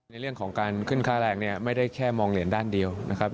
ในเรื่องของการขึ้นค่าแรงเนี่ยไม่ได้แค่มองเหรียญด้านเดียวนะครับ